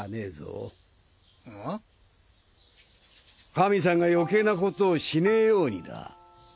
神サンが余計な事をしねえようにだ。